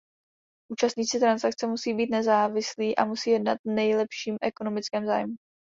Účastníci transakce musí být nezávislí a musí jednat v nejlepším ekonomickém zájmu.